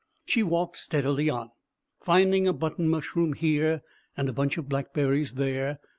She walked steadily on, finding a button mushroom here and a bunch of blackberries there.